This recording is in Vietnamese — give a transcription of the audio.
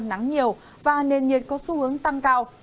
nắng nhiều và nền nhiệt có xu hướng tăng cao